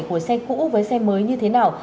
của xe cũ với xe mới như thế nào